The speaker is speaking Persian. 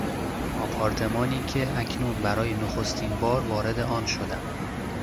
آپارتمانی که اکنون برای نخستین بار وارد آن شدم